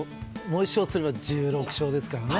もう１勝すれば１６勝ですからね。